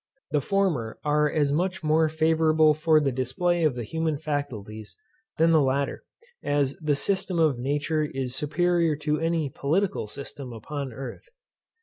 The former are as much more favourable for the display of the human faculties than the latter, as the system of nature is superior to any political system upon earth.